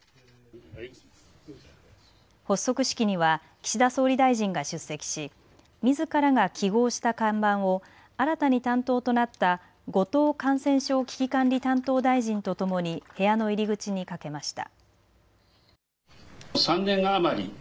発足式には岸田総理大臣が出席しみずからが揮ごうした看板を新たに担当となった後藤感染症危機管理担当大臣と共に部屋の入り口にかけました。